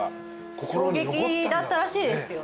衝撃だったらしいですよ。